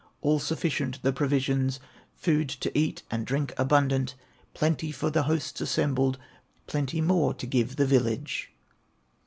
All sufficient, the provisions, Food to eat and drink abundant, Plenty for the hosts assembled, Plenty more to give the village."